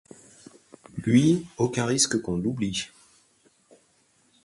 Lui, aucun risque qu’on l’oublie !